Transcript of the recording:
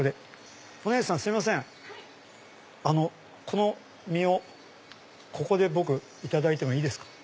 この実をここで僕いただいてもいいですか？